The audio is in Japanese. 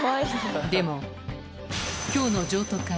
でも今日の譲渡会